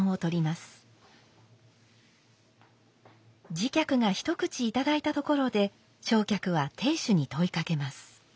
次客が一口いただいたところで正客は亭主に問いかけます。